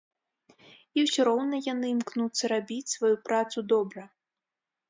І ўсё роўна яны імкнуцца рабіць сваю працу добра.